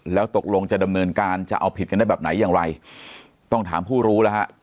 แล้วตกลงจะดำเนินการจะเอาผิดกันได้แบบไหนอย่างไรต้องถามผู้รู้แล้วฮะ